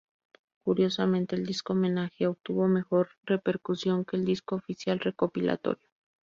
Curiosamente el disco homenaje obtuvo mejor repercusión que el disco oficial recopilatorio.